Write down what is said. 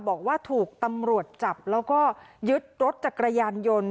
บอกว่าถูกตำรวจจับแล้วก็ยึดรถจักรยานยนต์